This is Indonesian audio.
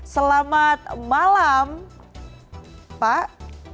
selamat malam pak